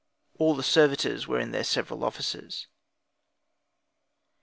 All the servitors were in their several offices.